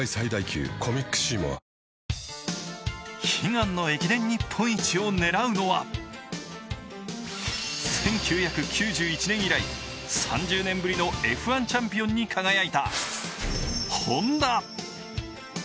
悲願の駅伝日本一を狙うのは１９９１年以来３０年ぶりのＦ１チャンピオンに輝いたＨｏｎｄａ。